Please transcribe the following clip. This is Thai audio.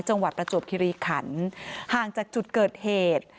ประจวบคิริขันห่างจากจุดเกิดเหตุ